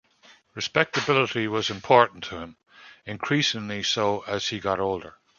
Respectability was important to him, increasingly so as he got older.